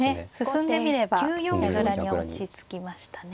進んでみれば矢倉に落ち着きましたね。